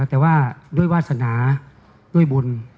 แต่ว่าด้วยวาสนาด้วยบุญ